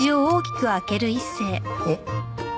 えっ？